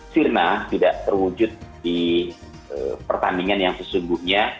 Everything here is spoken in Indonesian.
sirna tidak terwujud di pertandingan yang sesungguhnya